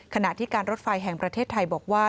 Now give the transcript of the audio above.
ขณะที่การรถไฟแห่งประเทศไทยบอกว่า